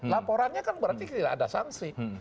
laporannya kan berarti tidak ada sanksi